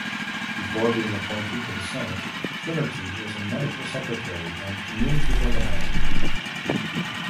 Before being appointed to the Senate, Finnerty was a medical secretary and community organizer.